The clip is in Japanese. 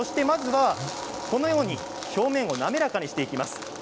まずは、このように表面を滑らかにしていきます。